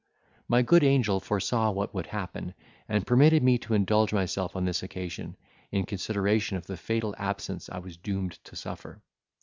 My good angel foresaw what would happen, and permitted me to indulge myself on this occasion, in consideration of the fatal absence I was doomed to suffer.